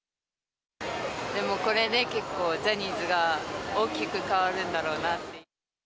でも、これで結構、ジャニーズが大きく変わるんだろうなっていう。